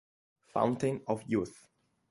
Fountain of Youth